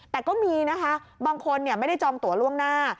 แต่ก็มีนะคะบางคนไม่ได้จองตัวล่วงหน้า